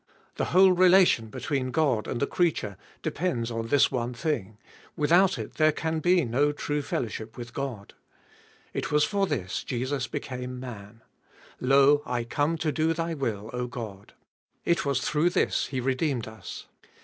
The whole relation between God and the creature depends on this one thing : without it there can be no true fellowship with God. It was for this Jesus became man : Lo> I come to do thy witt, O God. It was through this He redeemed us.